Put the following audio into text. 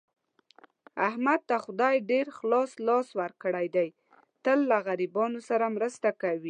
احمد ته خدای ډېر خلاص لاس ورکړی دی، تل له غریبانو سره مرسته کوي.